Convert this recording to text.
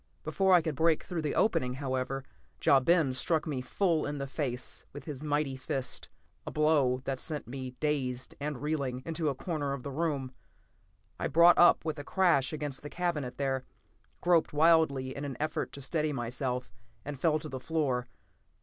Before I could break through the opening, however, Ja Ben struck me full in the face with his mighty fist; a blow that sent me, dazed and reeling, into a corner of the room. I brought up with a crash against the cabinet there, groped wildly in an effort to steady myself, and fell to the floor.